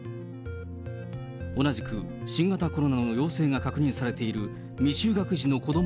同じく新型コロナの陽性が確認されている未就学児の子ども